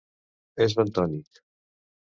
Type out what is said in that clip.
És bentònic.